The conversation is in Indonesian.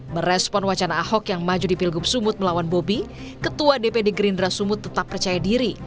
merespon wacana ahok yang maju di pilgub sumut melawan bobi ketua dpd gerindra sumut tetap percaya diri